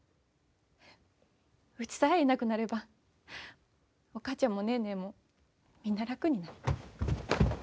うちさえ、いなくなればお母ちゃんもネーネーもみんな楽になる。